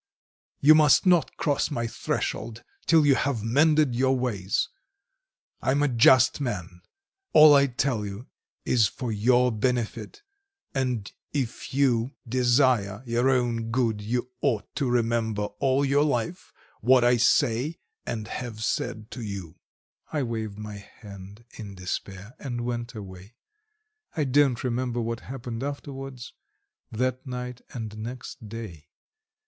You must not cross my threshold till you have mended your ways. I am a just man, all I tell you is for your benefit, and if you desire your own good you ought to remember all your life what I say and have said to you. ..." I waved my hand in despair and went away. I don't remember what happened afterwards, that night and next day.